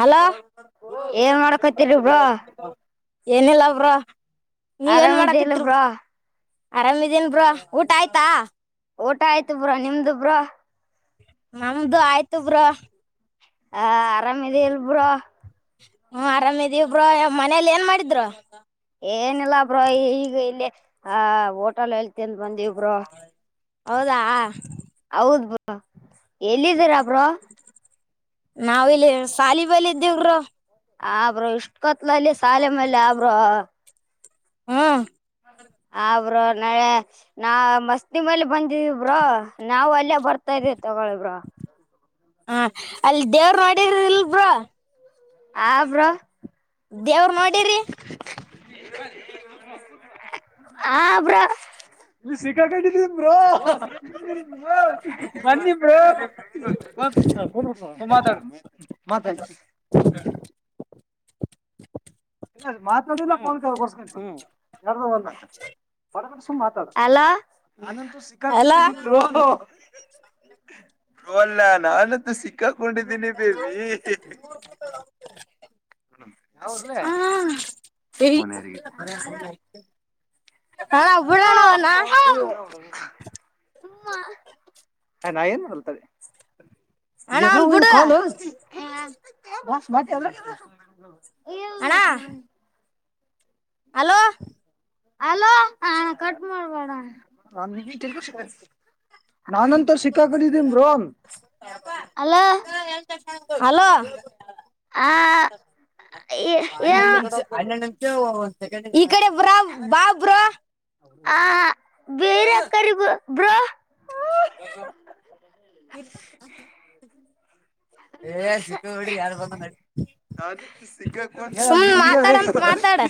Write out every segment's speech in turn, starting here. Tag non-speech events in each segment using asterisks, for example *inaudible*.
Hello ಏನ್ ಮಾಡ್ಕೊತೀರಿ bro ಏನಿಲ್ಲಬ್ರ ನೀವೇನ್ ಆರಾಮಿದ್ದಿ ಇಲ್ ಮಾಡಕಿದರು. ಬ್ರೋ ಆರಾಮಿದೀನ್ ಬ್ರ ಊಟ ಆಯ್ತಾ. ಊಟ ಆಯ್ತು ಬ್ರಾ ನಿಮ್ದು ಬ್ರಾ. ನಮ್ದು ಆಯ್ತಬ್ರ. ಹ ಆರಾಮದ ಇಲ್ಬ್ರ. ಹ್ಮ ಆರಾಮಿದೀ ಇಬ್ರು ಮನೇಲಿ ಏನ್ ಮಾಡಿದ್ರು. ಏನಿಲ್ಲಾ ಬ್ರೋ ಈಗ ಇಲ್ಲಿ ಆ ಹೋಟಲ್ ಹೇಳ್ತಂತ ಬಂದಿ. ಹೌದಾ. ಎಲ್ಲಿದರ. ಬ್ರೊಂ. ನಾವ ಇಲ್ಲಿ ಸಾಲಿಬಲ್ ಇದ್ದೇೋಗರು. ಆ ಬ್ರೋ ಇಷ್ಟಕತ್. ಮಲ್ಲಿ ಸಾಲೆ ಮಲೆ ಆಬ್ರು. ಹ್ಮ. ಆ ಬ್ರೋ ನಾಳೆ ನಾ ಮಸ್ತಿ ಮಲ್ಲಿ ಬಂದಿದ ಬ್ರೋ ನಾವು ಅಲ್ಲೇ ಬರ್ತಾದೀವಿ ತಗೊಲಿ ಬ್ರೊ ಹ ಅಲ್ಲಿ ದೇವರು ನೋಡಿದ ಇಲ್ಲ ಬ್ರೋ ಆ ಬ್ರೋ ದೇವ್ರ ನೋಡಿರಿ ಹ ಬ್ರೋ ಇಲ್ಲಿ ಸಿಕ್ಕಕಿಂಡಿನಿ ಬ್ರೋ ಬನ್ನಿ ಬ್ರೋ ಮಾತಾಡು ಮಾತಾಡು ಇಲ್ಲ ಮಾತಡು ಇಲ್ಲ ಫೋನ್ ಇಡು *inaudible* ಮಾತಾಡು ಹಲೋ ನಾನಂತು ಅಲ್ಲ ಸಿಕ್ಕಾಕೊಂಡಿದೀನಿ ಬ್ರೋ ಹೇಳೋ ನಾನು ಅಂತೂ ಸಿಕ್ಕಕಿ ಕೊಂಡಿದಿನಿ ಬೇಬಿ ಹಾ ಫೋನ್ ಯಾರಿಗಿಚ್ಚ ಹೇಳ *inaudible* ಬಿಡಣ್ಣ ಅವ್ನ ನಾ ಏನ್ ಮಾಡ್ತೇನೆ ಅಣ್ಣ ಎದ್ರಾಗ ಅವನ್ ಹೋಗಿದ್ದೆ ಬಿಡು ಕಾಲ್ ಮತ್ತೆ ಎ ಇಲ್ಲ ಅಣ್ಣ ಹಲೋ ಹಲೋ ಹ ಕಟ್ ಮಾಡ್ಬೇಡ ಅಣ್ಣ ನಾನಂತು ಸಿಕ್ಕಿಗಿಕೊಂಡೀನಿ ಬ್ರೋ ಹಲೋ ಹಲೋ *inaudible* ಏ ಈಕಡೆ ಬಾ ಬಾ ಬ್ರೋ ಹ ಬೇರೆ ಕರಿಬೇಕು ಬ್ರೊ *inaudible* ಏ ಸಿಕ್ಕಿಬಿಡ್ರಿ ಯಾರು ನಾ ಸಿಕ್ಕಕಿ ಮಾತಾಡಂತ *inaudible* ಮಾತಾಡ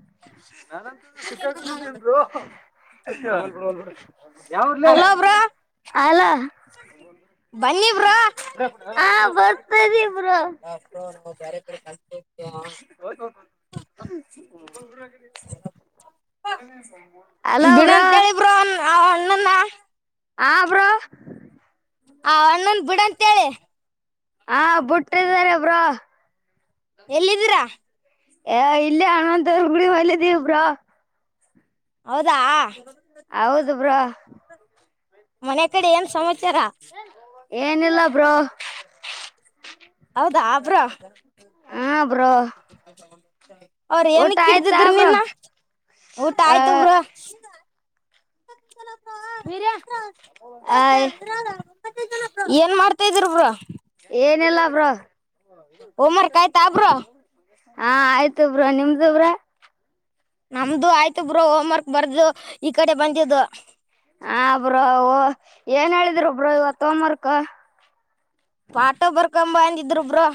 *inaudible* ನಾನಂತು ಸಿಕ್ಕಗಿಕೊಂಡಿದೀನಿ ಬ್ರೋ *inaudible* ಹಲೋ ಬ್ರೋ ಅಲೋ ಬನ್ನಿ ಬ್ರೋ ಹಾ ಬರ್ತರಿ ಹಾ *inaudible* ಅಲೋ *inaudible* ಬ್ರೋ ಬಿಡಂತೇಳಿ ಬ್ರೋ ಆ ಅಣ್ಣನ ಹ ಬ್ರೋ ಆ ಅಣ್ಣೊಂದ್ ಬಿಡಂತ ಕತ್ತಳ *unintelligible* ಹಾ ಬುಟ್ಟಿದರೆ ಬ್ರೋ ಎಲ್ಲಿದ್ದೀರಾ *inaudible* ಎ ಇಲ್ಲೇ ಅನಂತವ್ರ ಗುಡಿ ಬಲ್ಲೆ ಇದೀವ ಬ್ರ ಹೌದಾ ಹೌದು ಬ್ರೋ ಮನೆ ಕಡೆ ಏನ್ ಸಮಾಚಾರ ಏನಿಲ್ಲ ಬ್ರೋ ಹೌದಾ ಬ್ರೋ ಹಾ ಬ್ರೋ ಅವ್ರ ಊಟ ಏನುಕ್ ಆಯ್ತಾ ಇಡೀದಿದ್ರು ಬ್ರೋ ನಿನ್ನ ಊಟ ಆ ಆಯ್ತ ಬ್ರೋ *inaudible* ಬಿರ್ಯಾ ಹಯ್ ಏನ್ ಮಾಡತ್ತೆ ಇದಿರಿ ಬ್ರೋ ಏನಿಲ್ಲ ಬ್ರೋ ಹೋಮ್ ವರ್ಕ್ ಆಯಿತಾ ಬ್ರೋ ಹಾ ಆಯಿತು ಬ್ರೋ ನಿಮ್ದು ಬ್ರೋ ನಮ್ದು ಆಯ್ತು ಬ್ರೋ ಹೋಮ್ ವರ್ಕ್ ಬರ್ದು ಈ ಕಡೆ ಬಂದಿದ್ದು ಹ ಬ್ರೋ ಏನ್ ಹೇಳಿ- ಇದ್ರೊಬ್ರೋ ಇವತ್ತು ಹೋಮ್ ವರ್ಕ್ ಪಾಠ ಬರ್ಕಮ್ ಬಾ ಅನ್ನಿ ಇದ್ರು ಬ್ರೋ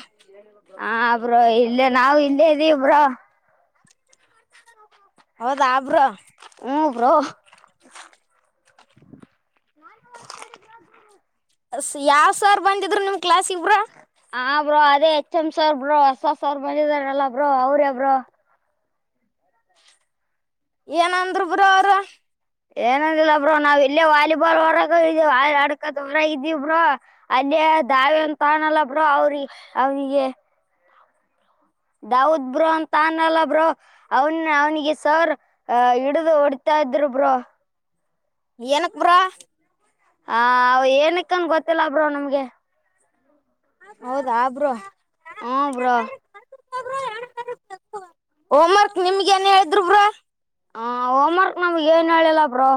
ಹ ಬ್ರೋ ಇಲ್ಲೇ ನಾವ ಇಲ್ಲೇ ಇದ್ದೀವಿ ಬ್ರೋ ಹೌದ ಬ್ರೋ ಹ್ಮ ಬ್ರೋ ಯಾವ್ ಸಾರ್ ಬಂದಿದ್ರು ನಿಮ್ ಕ್ಲಾಸ್- ಹ ಬ್ರೋ ಅದೇ ಎಚ್ ಎಂ ಸರ್ ಬ್ರೋ ಹೊಸ ಸರ್ ಬಂದಿದಾರಲ್ಲ ಬ್ರೋ ಅವ್ರೆ ಬ್ರೋ ಏನಂದ್ರು ಬ್ರೋ ಅವರು ಏನಂದಿಲ್ಲ ಬ್ರೋ ನಾವ್ ಇಲ್ಲೇ ವಾಲಿಬಾಲ್ ಹೊರಗ ಇದ ಅಡ್ಕದ ಹೊರ ಇದವಿ ಬ್ರೋ ಅಲ್ಲೇ ದಾವಿಂತ ತಾಣಲ್ಲ ಬ್ರೋ ಅವ್ರಿ ಅವನಿಗೆ ದಾವದ್ ಬ್ರೋ ಅಂತಾನಲ್ಲ ಬ್ರೋ ಅವನ್ ಅವ್ನಿಗೆ ಸರ್ ಆ ಹಿಡಿದು ಹೊಡತಾ ಇದ್ರು ಬ್ರೋ ಏನುಕ್ ಬ್ರೋ ಹ ಅವ ಏನಕ್ಕನ್ ಗೊತ್ತಿಲ್ಲ ಬ್ರೋ ನಮ್ಗೆ ಹೌದ ಬ್ರೋ ಹ್ಮ್ ಬ್ರೋ ಹೋಮ್ ವರ್ಕ್ ನಿಮ್ಗೆ ಏನ್ ಹೇಳಿದ್ರು ಬ್ರೋ ಹ ಹೋಮ್ ವರ್ಕ್ ನಮ್ಗೆ ಏನ್ ಹೇಳಿಲ್ಲ ಬ್ರೋ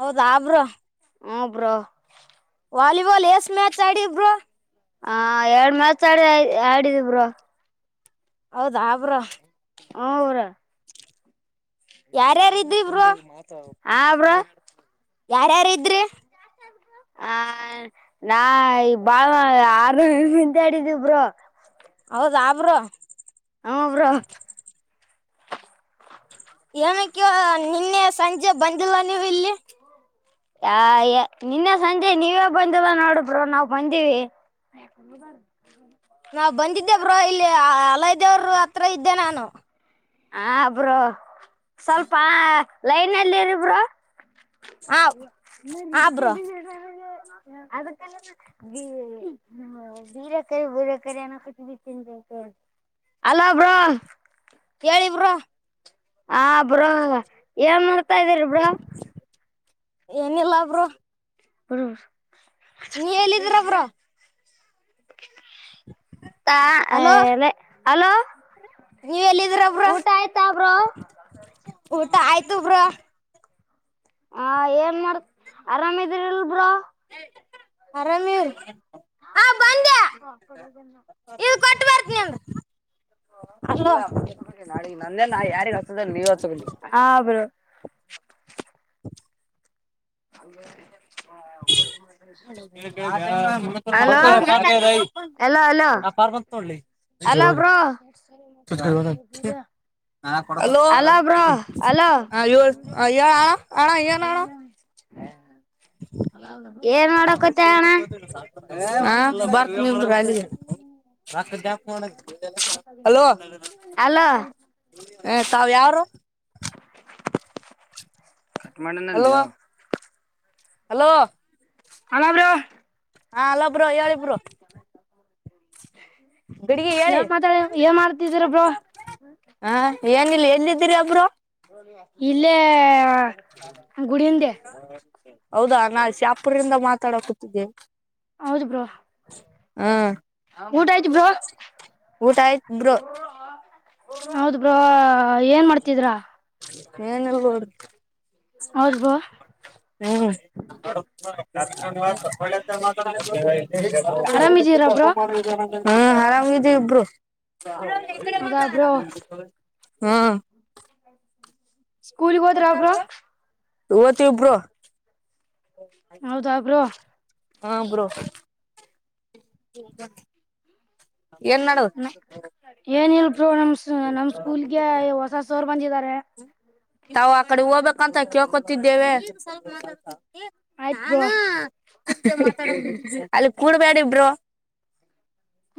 ಹೌದಾ ಬ್ರೋ ಹೂ ಬ್ರೋ ವಾಲಿಬಾಲ್ ಎಸ್ ಮ್ಯಾಚ್ ಆಡಿ ಬ್ರೋ ಹಾ ಎರಡು ಮ ಹೌದಾ ಬ್ರೋ ಹೂ ಅವ್ರ್ ಯಾರ್ಯಾರ್ ಇದ್ದಿ ಬ್ರೋ ಹಾ ಬ್ರೋ ಯಾರ್ಯಾರ್ ಇದ್ರಿ ಹ ನಾ ಈ ಬಾಳ ಆರು ಹಂತ ಆಡಿದಿ ಬ್ರೋ ಹೌದ ಬ್ರೋ ಹೂ ಬ್ರೋ ಏನಿಕ್ಕೆ ನಿನ್ನೆ ಸಂಜೆ ಬಂದಿಲ್ಲ ನೀವು ಇಲ್ಲಿ ಆ ನಿನ್ನೆ ಸಂಜೆ ನೀವೇ ಬಂದಿಲ್ಲ ನೋಡು ಬ್ರೋ ನಾವ್ ಬಂದೀವಿ ನಾವ್ ಬಂದಿದ್ದೇ ಬ್ರೋ ಇಲ್ಲಿ ಅಲ್ಲ್ದೇವರು ಹತ್ರ ಇದ್ದೆ ನಾನು ಹ ಅಪರೋ ಸ್ವಲ್ಪ ಲೈನ್ ಅಲ್ಲಿ ಇರಿಬರು ಆ ಇ ಆ ಬ್ರೋ ಎ ಅದ ಬೀರೆಕರಿ ಬೂರಕರಿ ಅಏನ ಕುಟ್ಬಿ ತಿನ್ಬೇಕು ಅಲ್ಲಬ ಹೇಳಿವ್ರ ಹ ಬರೋ ಏನ್ ಮಾಡ ಬತಾ ಇದರಿಬ್ರ ಏನಲ್ಲಬ್ರು ಬರೋ ನೀ ಹೇಳಲ್ಲಿದ್ರಬ್ರ ಹಲೋ ತಲೆ ಅಲೋ ನೀವ್ ಎಲ್ಲಿದಿರ ಬ್ರೋ ಊಟ ಆಯ್ತ ಬ್ರೋ ಊಟ ಆಯ್ತು ಬ್ರೋ ಆ ಏನ್ ಮಾಡ ಆರಾಮಿದಿರಲ್ಬ್ರ ಆರಾಮ ಹಾಸಾಪಡದನ್ನ ಇದು ಕೊಟ್ಟು ಬರ್ತೀನಿ ಅಂದ ಇಲ್ಲ ನಾ ನಂದೇಾ ಯಾರಿಿಗೆ ಹದ ನೀವ ಹ ಹ್ರರು ಅ hello *inaudible* hello bro hello bro hello ಹಾ ಹೇಳ ಆಣ ಎನಣ *unintelligible* *inaudible* ಏನ್ ಮಾಡಕತ್ತ ಅಣ ಹಾ ಬರ್ತಿನಿ ನಿಂದ್ರೂ ಹಲೋ ಅಲೋ ಹ ತಾವ ಯಾರು ಹಲೋ *inaudible* ಹಲೋ ಹಲೋ ಬ್ರೋ ಹಾ ಹಲೋ ಬ್ರೋ ಹೇಳಿ ಬ್ರೋ *inaudible* ಗಡಿಗೆ ಯಾವ ಹೇಳಿ ಮಾತಾಡ ಏನ್ ಮಾಡ್ತಿದರ ಬ್ರೋ ಹಾ ಏನಿಲ್ಲ ಎಲ್ಲಿದ್ದೀರ ಬ್ರೋ ಇಲ್ಲೆ *inaudible* ಹೌದಾ ನಾ ಶಾಪುರಿಂದ ಮಾತಾಡ ಕೂತಿದ್ದೇ ಹೌದ ಬ್ರೋ ಹ್ಮ್ ಊಟ ಆಯ್ತ್ ಬ್ರೋ ಊಟ ಆಯ್ತ್ ಬ್ರೋ ಹೌದ್ ಬ್ರೋ ಏನ್ ಮಾಡ್ತಿದ್ರಾ ಏನಿಲ್ಲಾ ನೋಡ್ ಬ್ರೋ ಹ್ಮ *inaudible* *inaudible* *inaudible* *inaudible* ಆರಾಮಿದೀರ ಬ್ರೋ ಹಾ ಆರಾಮಿದ್ದಿವಿ ಬ್ರೋ ಹೌದಾ ಬ್ರೋ *inaudible* ಹಾ ಸ್ಕೂಲ್ಗೆ ಹೋದ್ರ ಬ್ರೋ ಹೊತೀವಿ ಬ್ರೋ ಹೌದಾ ಬ್ರೋ ಹಾ ಬ್ರೋ *inaudible* ಏನ್ ನಡು ಏನ ಇಲ್ ನಮ ನಮ್ ಸ್ಕೂಲ್ಗೆ ಹೊಸ ಸೋರ್ ಬಂದಿದ್ದಾರೆ ಹ್ಮ ನಾವು ಆ ಕಡೆ ಹೋಗ್ಬೇಕಂತ ಕೇಳ್ಕೊತಿದ್ದೇವೆ ಆದ್್ರ ನಾನು ಅಲ್ಲಿ ಕೂಡಬೇಡ ಇಬ್ರು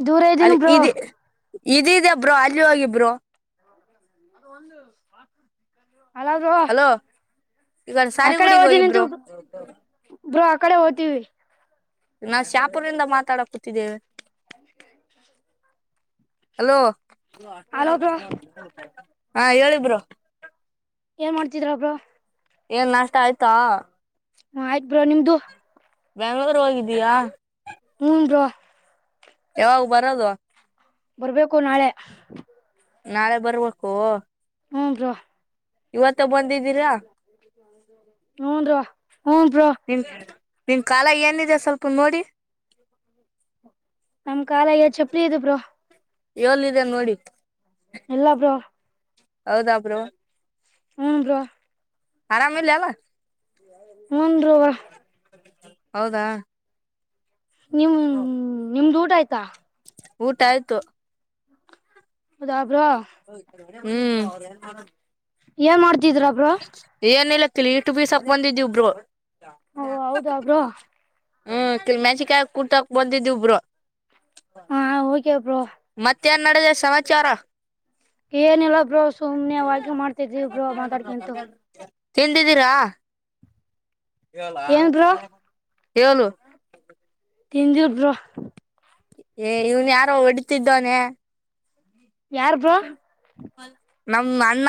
ದೂರ ಇದ್ದೀನ ಬ್ರೋ ಇದ ಇದ್ಯಾ ಬ್ರೋ ಅಲ್ಲಿ ಹೋಗಿಬರು ಅದು ಒಂದು ಅಲ ಬ್ರೋ ಹಲೋ ಈಗ ಅಕಡೆ ಸಾಲಿಗುಡಿಗೆ ಓತ ಹೋಗಿ ನಿಂತ ಬ್ರೋ ಬ್ರೋ ಅಕಡೆ ಓ್ತೀವಿ ನಾವು ಶಾಪುರ್ಿಂದ ಮಾತಾಡ ಕೂತಿದ್ದೇವೆ ಅ ಹಲೋ ಅಲ್ಲ ಅಲೋ ಬ್ರೋ ಹಾ ಹೇಳಬರು ಮಾಡ್ತಿದ್ರ ಒಬ್್ರ ಏನ್ ನಷ್ಟ ಆಯ್ತಾ ಹ ಆಯ್ತ್ ಬರ ನಿಮ್ದು ಬೆಂಗ್ಳೂರು ಹೋಗಿದ್ದೀಯಾ ಹ್ಞ ರ ಯಾವಾಗ ಬರದು ಬರ್ಬೇಕು ನಾಳೆ ನಾಳೆ ಬರ್ಬೇಕು ಹೂಞ ಬ್ರೋ ಇವತ್ತು ಹ್ಮ ರ ಹ್ನ್ ಪ್ರ ನಿನ್ ಕಾಲ ಏನಿದೆ ಸ್ವಲ್ಪ ನೋಡಿ ನಮ್ ಕಾಲಯ ಚಪ್ಪಲಿ ಇದು ಬ್ರೋ ಎಲ್ಿದೆ ನೋಡಿ ಎಲ್ಲಾ ಬರೋ ಹೌದಾಬ್ರು ಹ್ಮಞ ರೋ ಆರಾಮೇಿಲ್ಲಲ್ಲ ಯಾವ ಮುಂದು ರರುವ ಹೌದಾ ನಿಮ್ ಹಾ ನಿಮ್ದ ಊಟ ಆಯತಾ ಊಟ ಆಯ್ತು ಹೌದ ಬ್ರ ಹ್ಮ್ ಏನ್ ಮಾಡ್ತಿದ್ರ ಬ್ರೋ *unintelligible* ಓ ಹೌದಾ ಬ್ರೋ ಹ್ಮ್ ಮೆಣಸಿಕಾಯ ಕುತಕ್ ಬಂದಿದ್ದಿ ಬ್ರೋ ಹಾ ಹೋಗ್ಯಬ್ರ ಮತ್ತೆ ನಡೆದ ಸಮಾಚಾರ ಏನಿಲ್ಲ ಬ್ರೋ ಸುಮ್ನೆವೂ ವಾಕಿಂಗ್ಮಾಡ್ತಿದ್ವಿಬ್ರ ಮಾತಾಡ್ಕಂತು ತಂಡಿದೀರಾ ಇಲಾ ಏನ್ ಬ್ರೋ *inaudible* *inaudible* ತಿಂಡಿ ಬ್ರೋ ಏ ಇವ್ನ್ ಯಾರೋ ಹೊಡಿತಿದ್ದವಾನೆ ಯಾರ್ ಬ್ರೋ ನಮ ಅಣ್ಣ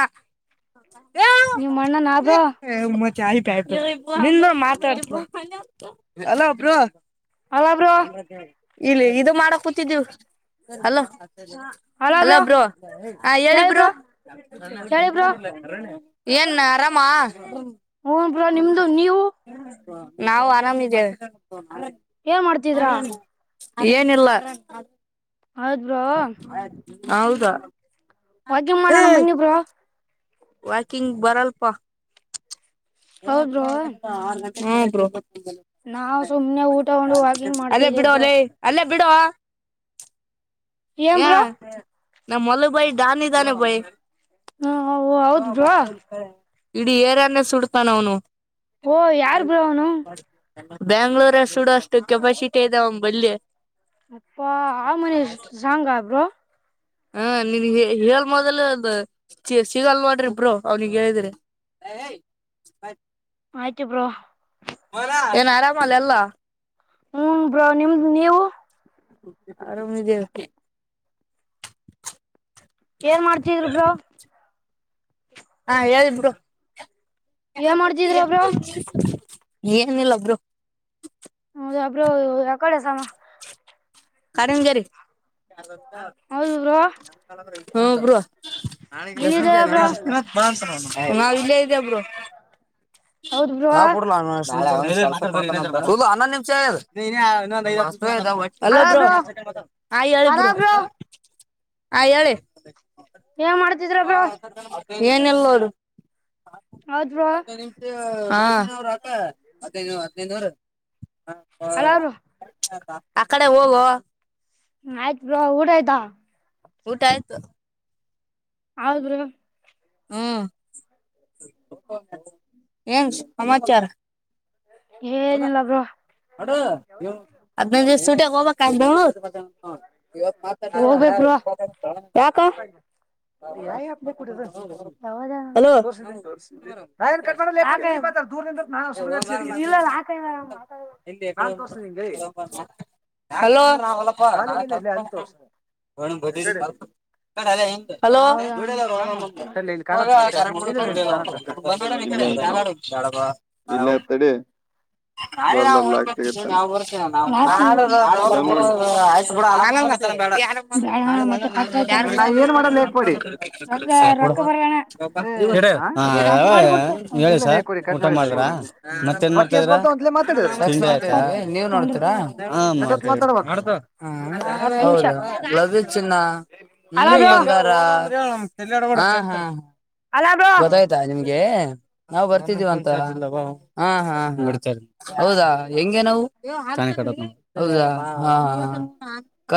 ನಿಮ್ *unintelligible* ಅಣ್ಣನ ಬ್ರೋ ಹ ಮ ಚಾಯಿ ಪಾಯ ನಿನ್ನ ಮಾತಾಡ್ತ ಅಲ ಬ್ರ *unintelligible* ಇಲ್ಲಿ ಇದು ಮಾಡ ಕೂತಿದ್ದೀವು ಅಲೋ ಅಲ್ಲ ಹ ಹೇಳಿ ಹೇಳಿಬ್ರೋ ಬ್ರೋ ಹೇಳಿ ಬ್ರೋ ಏನ್ ಆರಾಮಾ ಹೂ ಬ್ರೋ ನಿಮ್ದು ನೀವು ನಾವು ಆರಾಮಿದ್ದೇವೆ ಏನ್ ಮಾಡ್ತಿದ್ರಾ ಏನಿಲ್ಲ ಹೌದ್ ಬ್ರೋ ಹೌದಾ ಹ *inaudible* ವಾಕಿಂಗ್ ಮಾಡೋಣ ಬನ್ನಿಬ್ರೋ ವಾಕಿಂಗ್ ಬರಲ್ಪ ಆ *inaudible* ಹಾ ಬ್ರೋ ನಾವವು ಸುಮ್ನೆ ಊಟಗೊಂಡು ವಾಗಿಂಗ್ ಮಾಡ್ತಾದ್ದೇವ ಬ್ರೋ ಬಿಡು ಏನ್ ಬ್ರೋ *unintelligible* ನಮ್ಮಮ್ಮೊಲ್ಲ ಬಾಯ ಾನಿ ತಾನೆ ಬಾಯಿ ಹ ಹೌದ್ ಬ್ರೋ ಮತ್ತೆ ಇಡೀ ಏರನ್ನೇ ಸುಡ ಬನನು ಓ ಯಾರು ಬರಾವನು ಬ್ಯಾಂಗ್ಳೂರ ಸೂಡ ಅಷ್ಟು ಕೆಪಾಸಿಟಿ ಇದದೆ ಅವಮ್ಮ ಬಲ್ಲಿ ಅಪ್ಪ ಆ ಮನೇಶ್ ಸಾಂಗಬ್್ರರು ಹಾ ನೀನ್ ಹೇಳ ಮೊದಲ್ ಸಿಗಲ್ ಮಾಡ್ರಿಬ್ರರು ಅವ್ನಿಿಗೆ ಹೇಳಿದಿ್ರಿ ಆಯ್ತು ಬ್ರೋ ನರಾಮ ಆ ಎಲ್ಲ ಹ್ಮ ಬ್ರೋ ನಿಮ್ದ್ ನೀವು ಅಮ ಏನ್ ಮಾಡ್ತಿದರು ಬ್ರೋ ಹಾ ಯಾರಬಿಡುು ಏನ್ ಮಾಡ್ತಿದ್ರ ಬ್ರೋ ಯ ಏನಿಲ್ಲ ಒಬ್ರು ಹೌದಾ ಬ್ರೋ ಯಕಡೆ ಸಮ ಕಾರಂಜರಿ ಹ ಹೌದು ಬ್ರೋ ಬ ಇಲ್ಲಿದಾರ ಬ್ರೋ ಬ್ರೋ ಹೌದ್ ಬರುವ ಅನ್ನೊಂದು ನಿಮಿಷ ದ ಮ ಹಲೋ ಬ್ರೋ ಹ ಹೇಳಿ ಅಲ ಬ ಬ್ರೋ ಆ ಹೇಳಳೆ ಏನ್ ಮಾಡ್ತಿದ್ರ ಬ್ರೋ ಏನಲ್ಲೋಡು ಹ ಹೌದ್ ಬ್ರೋ ಹತ್ತಿನೈದು ನಿಮಿಷರುಾಕ ಹದಿನೈನೂರು ಹದಿನೈನೂರು ಅಲ ಹ ಬ್ರೋ ಹ ಅ ಕಡೆ ಹೋಗೋ ಆಯ್ತ್ ಬ ಊಡಯ್ತ ಊಟ ಆಯ್ತು ಹೌದರು ಹ್ಮ್ ಏನ್ಸ್ ಸಮಾಚಾರ ಏನಿಲ್ಲ ಬ್ರೋ ದ ಸೂಟ ಹೋಗ ಹೋಗ್ಬೇಕ್ ಬ್ರೋ ಯಾಕ ಹೌದಾ ಹಲೋ ತೋ ತೋ ನನ್ ಕ ದೂರ್ಿಂದ *unintelligible* ನಾ ಹಲೋ ಯಾವದ ಹಲೋ *inaudible* ಇಲ್ಲೇ ಐತಿ ಇಲ್ಲೇ ತಡಿ ನಾಳೆ ನಾ ಬರ್ಲದ್ ಲಾಕ್ ಹೊಬೇಕ ತೆಗಿತಾನ ನಾವು ಬರ್ತೀನಿ ನಾ ಲಾಕ್ ಕಡ ತೆಗಿಬೇಕು ಇದನ್ ನೋಡಿ ಅರ ಧ್ಯಾನ ಬ್ಯಾಡಣ ಮತ್ತೆ ಕಟ್ ಆಯ್ತ ಅಂದ್ರ ರೊಕ್ಕ ಮಾಡ *unintelligible* ಹ ರೊಕ್ಕ ಬರಲ್ಲಣ ಕಟ್ ಮಾಡಿಬಿಟ್ಟು ಹೇಳಿ ಸರ್ ಊಟ ಮಾಡಿದ್ರ ಮತ್ತೇನ್ ಮಾಡ್ತಾರಾದ ತಿಂಡಿ ಆಯ್ತಾ ಎಪ್ಪತ್ತೊಂದ್ ರೂಪಾಯಿ ಬರ್ತಾನ ಹತ್ತು ನಿಮಿಷ ಚಿನ್ನ ಅಲ್ಲ ಬ್ರೋ ಬಂಗಾರ *inaudible* ಹಾ ಹಾ ಅಲ್ಲ ಬ್ರೋ ಗೊತ್ತಾಯ್ತಾ ನಿಮ್ಗೆ ನಾವ ಬರ್ತಿದ್ದೀವಂತ ಹ ಹ ಹೌದಾ ಹೆಗೆ ನಾವು ಹೌದಾಹಾ ಹಾ ಕಟ್